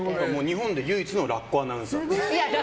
日本で唯一のラッコアナウンサーです。